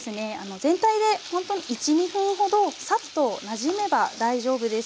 全体でほんと１２分ほどサッとなじめば大丈夫です。